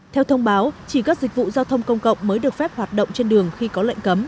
theo thông báo chỉ các dịch vụ giao thông công cộng mới được phép hoạt động trên đường khi có lệnh cấm